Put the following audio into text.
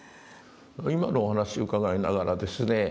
今のお話を伺いながらですね